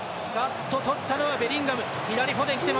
取ったのはベリンガム。